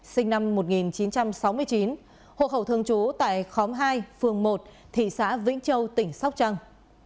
sinh năm một nghìn chín trăm sáu mươi chín hộp hậu thương chú tại khóm hai phường một thị xã vĩnh châu tỉnh sóc trăng